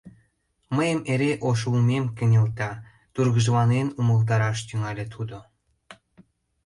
— Мыйым эре Ошлумем кынелта, — тургыжланен умылтараш тӱҥале тудо.